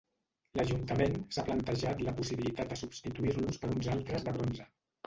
L'ajuntament s'ha plantejat la possibilitat de substituir-los per uns altres de bronze.